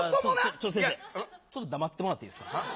ちょっと黙っててもらっていいですか？